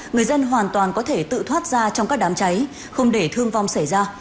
người dân hoàn toàn có thể tự thoát ra trong các đám cháy không để thương vong xảy ra